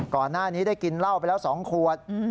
ก่อนหน้านี้ได้กินเหล้าไปแล้ว๒ขวด